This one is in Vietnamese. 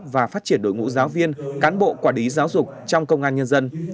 và phát triển đội ngũ giáo viên cán bộ quả đí giáo dục trong công an nhân dân